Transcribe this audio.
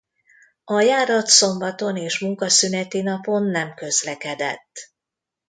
A járat szombaton és munkaszüneti napon nem közlekedett.